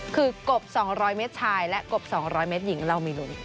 คือกบ๒๐๐เมตรชายและกบ๒๐๐เมตรหญิงเรามีลุ้น